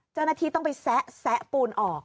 จังหาทีต้องไปแซะแซะปูนออก